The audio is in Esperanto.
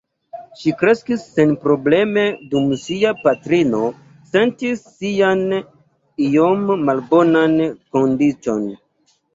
Ŝi kreskis senprobleme dum sia patrino sentis sian iom malbonan kondiĉon.